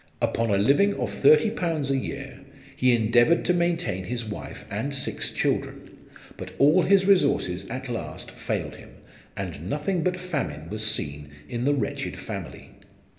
Upon a living of thirty pounds a year he endeavoured to maintain his wife and six children ; but all his resources at last failed him, and nothing but famine was seen in the wretched family.